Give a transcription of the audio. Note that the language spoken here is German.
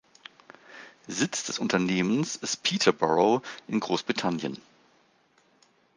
Sitz des Unternehmens ist Peterborough in Großbritannien.